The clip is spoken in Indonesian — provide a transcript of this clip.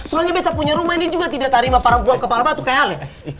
soalnya betta punya rumah ini juga tidak tarima perempuan kepala batu kayak ale